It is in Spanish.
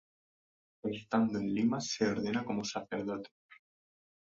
Estando en Lima se ordena como sacerdote.